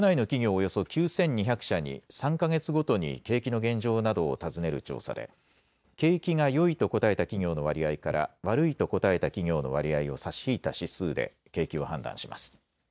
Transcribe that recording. およそ９２００社に３か月ごとに景気の現状などを尋ねる調査で景気がよいと答えた企業の割合から悪いと答えた企業の割合を差し引いた指数で景気を判断します。